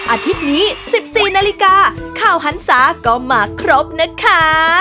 อาทิตย์นี้๑๔นาฬิกาข่าวหันศาก็มาครบนะคะ